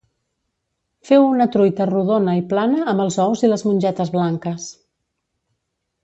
Feu una truita rodona i plana amb els ous i les mongetes blanques